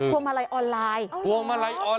พวงมาลัยออนไลน์